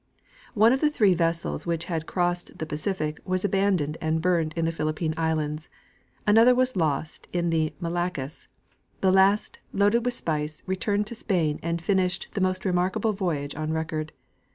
One of the three vessels which had crossed the Pacific was abandoned and burnt in the Phillippine islands, another was lost in the Malaccas ; the last, loaded with spice, returned to Spain and finished the most remarkable voyage on record.